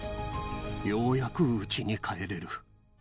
ようやくうちに帰れる。